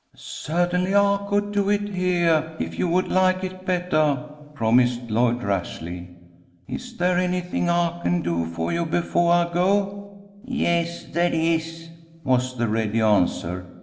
"Certainly I could do it heah, if you would like it bettah," promised Lloyd, rashly. "Is there anything I can do for you befoah I go?" "Yes, there is," was the ready answer.